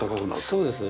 そうです。